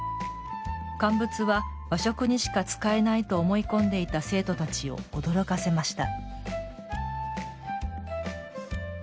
乾物は和食にしか使えないと思い込んでいた生徒たちを驚かせました。